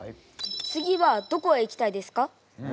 次はどこへ行きたいですか？